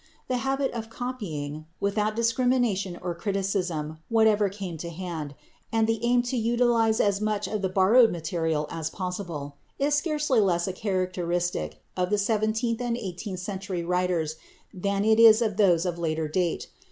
The habit of copying, without discrimination or criticism, whatever came to hand, and the aim to utilize as much of the borrowed material as possible, is scarcely less a characteristic of the seventeenth and eighteenth century writers than it is of those of a later date.